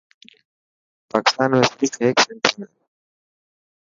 پاڪستان ۾ صرف هيڪ سينٽر هي.